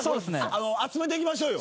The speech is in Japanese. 集めていきましょうよ。